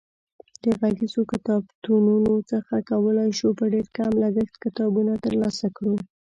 د غږیزو کتابتونونو څخه کولای شو په ډېر کم لګښت کتابونه ترلاسه کړو.